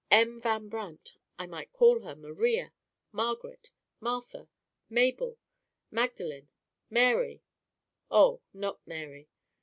"M. Van Brandt!" I might call her Maria, Margaret, Martha, Mabel, Magdalen, Mary no, not Mary.